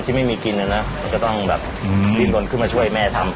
ใช่แต่ขมีกินนั้นนะมันก็ต้องกินลนกลุ่มมาช่วยแม่ทำ